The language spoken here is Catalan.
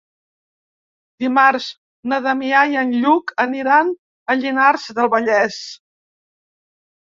Dimarts na Damià i en Lluc aniran a Llinars del Vallès.